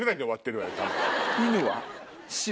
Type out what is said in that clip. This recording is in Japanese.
犬は。